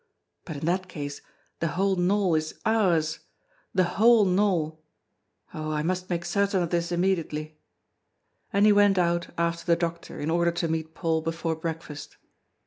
But in that case the whole knoll is ours the whole knoll! Oh! I must make certain of this immediately." And he went out after the doctor in order to meet Paul before breakfast.